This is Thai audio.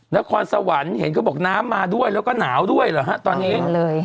นครสวรรค์เห็นเขาบอกน้ำมาด้วยแล้วก็หนาวด้วยเหรอฮะตอนนี้มาเลย